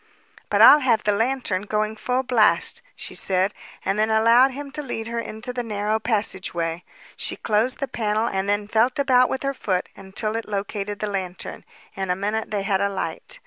"But I'll have the lantern going full blast," she said, and then allowed him to lead her into the narrow passageway. She closed the panel and then felt about with her foot until it located the lantern. In a minute they had a light.